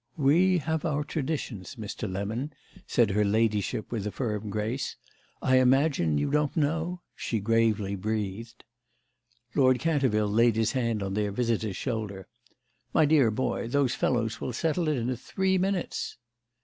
"We have our traditions, Mr. Lemon," said her ladyship with a firm grace. "I imagine you don't know—!" she gravely breathed. Lord Canterville laid his hand on their visitor's shoulder. "My dear boy, those fellows will settle it in three minutes."